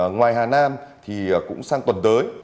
ngoài hà nam thì cũng sang tuần tới